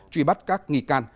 truy bắt các nghị can